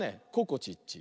ここちっち。